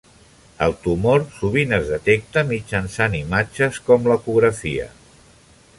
El tumor sovint es detecta mitjançant imatges com l'ecografia.